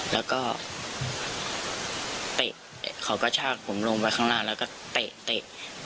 แล้วก็เตะเขาก็ชากผมลงไปข้างล่างแล้วก็เตะเตะ